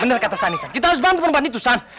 benar kata san kita harus bantu perempuan itu san